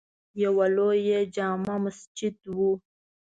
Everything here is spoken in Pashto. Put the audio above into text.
یوه لویه جامع مسجد وه.